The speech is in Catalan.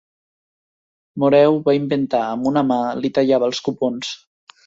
Moreu va inventar «amb una mà, li tallava els cupons».